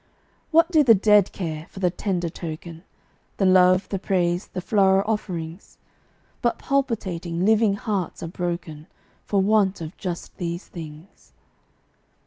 What do the dead care, for the tender token The love, the praise, the floral offerings? But palpitating, living hearts are broken For want of just these things.